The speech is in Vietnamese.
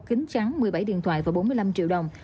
kính trắng một mươi bảy điện thoại và bốn mươi năm triệu đồng